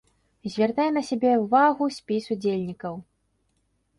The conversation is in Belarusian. Звяртае на сябе ўвагу спіс удзельнікаў.